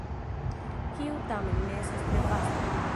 Kiu, tamen, ne estas tre vasta.